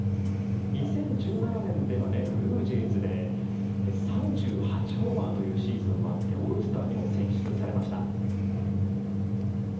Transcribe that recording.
２０１７年ではブルージェイズで３８ホーマーというシーズンもあってオールスターにも選出されました。